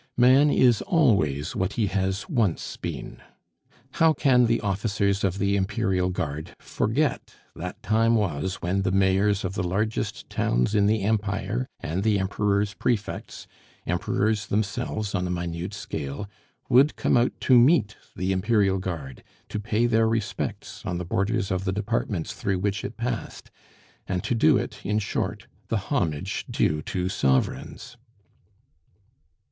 Man is always what he has once been. How can the officers of the Imperial Guard forget that time was when the mayors of the largest towns in the Empire and the Emperor's prefects, Emperors themselves on a minute scale, would come out to meet the Imperial Guard, to pay their respects on the borders of the Departments through which it passed, and to do it, in short, the homage due to sovereigns?